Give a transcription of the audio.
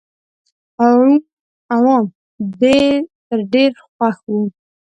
عوام ترې ډېر خوښ وو.